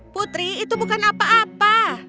putri itu bukan apa apa